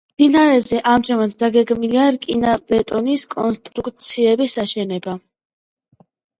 მდინარეზე ამჟამად დაგეგმილია რკინაბეტონის კონსტრუქციების აშენება.